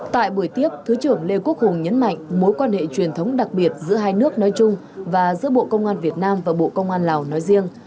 tại buổi tiếp thứ trưởng lê quốc hùng nhấn mạnh mối quan hệ truyền thống đặc biệt giữa hai nước nói chung và giữa bộ công an việt nam và bộ công an lào nói riêng